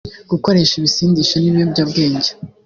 gukoresha ibisindisha n’ibiyobyabwenge